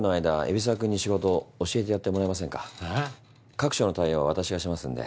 各所の対応は私がしますんで。